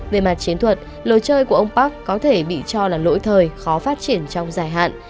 về mặt chiến thuật lối chơi của ông park có thể bị cho là lỗi thời khó phát triển trong dài hạn